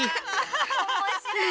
おもしろい！